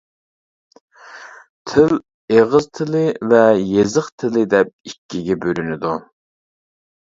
تىل ئېغىز تىلى ۋە يېزىق تىلى دەپ ئىككىگە بۆلۈنىدۇ.